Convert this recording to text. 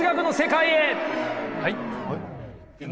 はい？